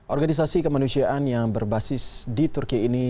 organisasi kemanusiaan yang berbasis di turki ini